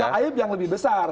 aib yang lebih besar